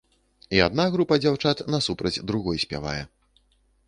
І адна група дзяўчат насупраць другой спявае.